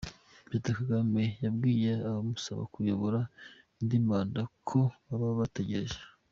Perezida Kagame yabwiye abamusaba kuyobora indi manda ko baba bategereje